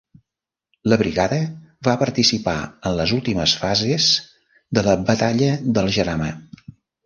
La brigada va participar en les últimes fases de la Batalla del Jarama.